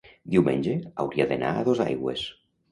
Diumenge hauria d'anar a Dosaigües.